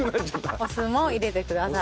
お酢も入れてください。